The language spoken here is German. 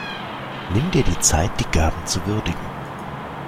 Nimm dir die Zeit, die Gaben zu würdigen.